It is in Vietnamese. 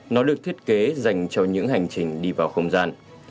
nó được thiết kế dành cho những hành trình đi vào không gian